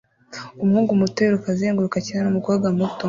Umuhungu muto yiruka azenguruka akina numukobwa muto